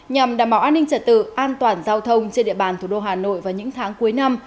nhằm đảm bảo an ninh trật tự an toàn giao thông trên địa bàn thủ đô hà nội vào những tháng cuối năm